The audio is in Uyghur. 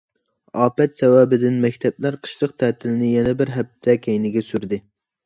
ئاپەت سەۋەبىدىن مەكتەپلەر قىشلىق تەتىلنى يەنە بىر ھەپتە كەينىگە سۈردى.